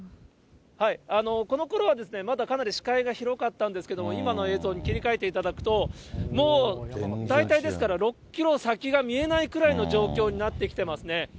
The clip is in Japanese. このころはまだかなり視界が広かったんですけども、今の映像に切り替えていただくと、もう、大体ですから６キロ先が見えないくらいの状況になってきていますね。